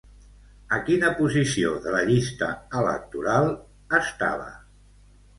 A quina posició de la llista electoral estava?